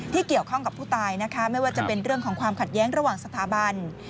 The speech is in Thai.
เกี่ยวข้องกับผู้ตายนะคะไม่ว่าจะเป็นเรื่องของความขัดแย้งระหว่างสถาบัน